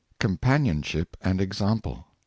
COMPANIONSHIP AND EXAMPLE.